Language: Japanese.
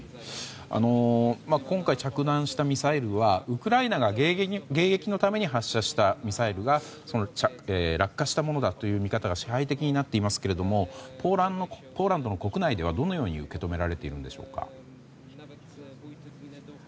今回着弾したミサイルはウクライナが迎撃のために発射したミサイルが落下したものだという見方が支配的になっていますがポーランドの国内ではどのように受け止められているんでしょうか。